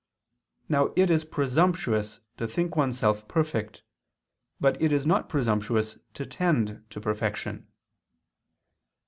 Now it is presumptuous to think oneself perfect, but it is not presumptuous to tend to perfection.